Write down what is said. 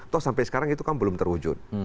toh sampai sekarang itu kan belum terwujud